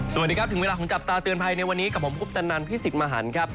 สวัสดีครับถึงเวลาของจับตาเตือนภัยในวันนี้กับผมคุปตนันพี่สิทธิ์มหันครับ